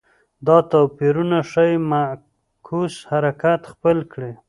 دا توپیرونه ښايي معکوس حرکت خپل کړي